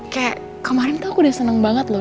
kayak kemarin tuh aku udah seneng banget loh